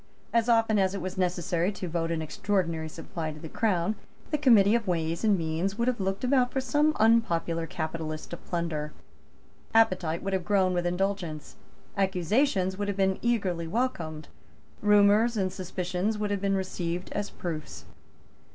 As often as it was necessary to vote an extraordinary supply to the Crown, the Committee of Ways and Means would have looked about for some unpopular capitalist to plunder. Appetite would have grown with indulgence. Accusations would have been eagerly welcomed. Rumours and suspicions would have been received as proofs.